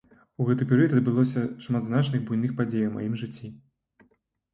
У гэты перыяд адбылося шмат значных буйных падзей у маім жыцці.